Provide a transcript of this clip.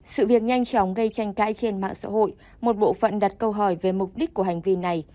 sự việc nhanh chóng gây tranh cãi trên mạng xã hội một bộ phận đặt câu hỏi về mục đích của hành vi này